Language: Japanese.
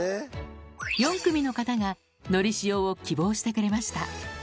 ４組の方がのりしおを希望してくれました。